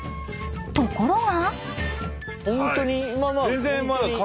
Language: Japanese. ［ところが］